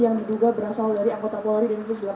yang diduga berasal dari anggota polri